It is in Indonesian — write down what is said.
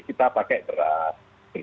kita pakai beras kita pakai